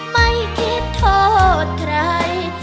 ไม่คิดโทษใคร